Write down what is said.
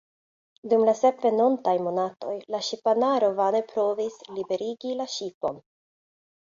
Dum la sep venontaj monatoj la ŝipanaro vane provis liberigi la ŝipon.